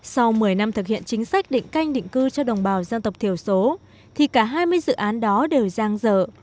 sau một mươi năm thực hiện chính sách định canh định cư cho đồng bào dân tộc thiểu số thì cả hai mươi dự án đó đều giang dở